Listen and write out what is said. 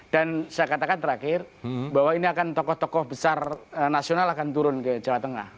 dan saya katakan terakhir bahwa ini akan tokoh tokoh besar nasional akan turun ke jawa tengah